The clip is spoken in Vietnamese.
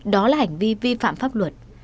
đó là hành vi vi phạm pháp luật